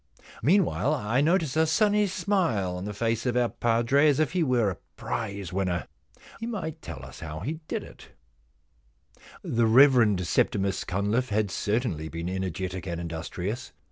Meanwhile I notice a sunny smile on the face of our padre, as if he were a prize winner. He might tell us how he did it' The Rev. Septimus Cunliffe had certainly been energetic and industrious.